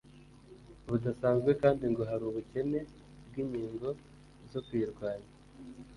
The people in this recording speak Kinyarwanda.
budasanzwe kandi ngo hari ubukene bw'inkingo zo kuyirwanya.